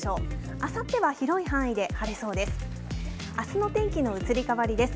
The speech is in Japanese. あさっては広い範囲で晴れそうです。